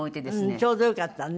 ちょうどよかったのね。